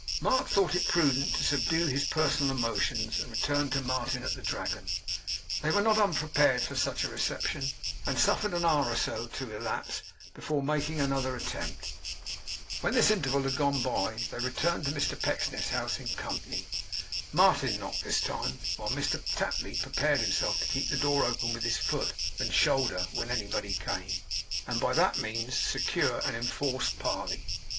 Mark thought it prudent to subdue his personal emotions, and return to Martin at the Dragon. They were not unprepared for such a reception, and suffered an hour or so to elapse before making another attempt. When this interval had gone by, they returned to Mr Pecksniff's house in company. Martin knocked this time, while Mr Tapley prepared himself to keep the door open with his foot and shoulder, when anybody came, and by that means secure an enforced parley.